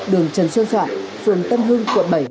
đường trần xuân soạn phường tân hưng quận bảy